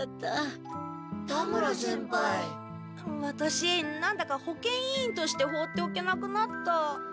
ワタシ何だか保健委員として放っておけなくなった。